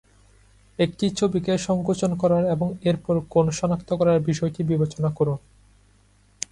একটা ছবিকে সঙ্কোচন করার এবং এরপর কোণ শনাক্ত করার বিষয়টা বিবেচনা করুন।